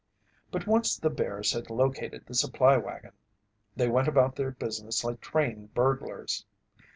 But once the bears had located the supply wagon, they went about their business like trained burglars.